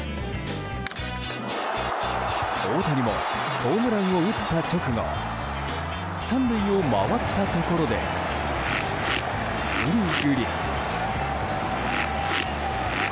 大谷もホームランを打った直後３塁を回ったところでグリグリ。